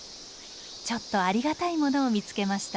ちょっとありがたいものを見つけました。